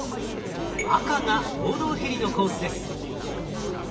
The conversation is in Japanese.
赤が報道ヘリのコースです。